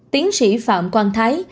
tiến sĩ phạm quang thái